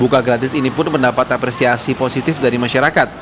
buka gratis ini pun mendapat apresiasi positif dari masyarakat